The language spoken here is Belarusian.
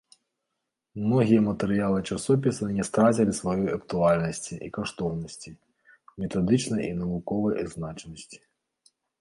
Многія матэрыялы часопіса не страцілі сваёй актуальнасці і каштоўнасці, метадычнай і навуковай значнасці.